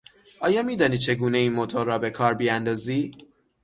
آیا میدانی چگونه این موتور را به کار بیاندازی؟